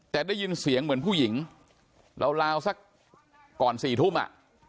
แต่ได้ยินเสียงเหมือนผู้หญิงราวสักก่อน๔ทุ่มอ่ะ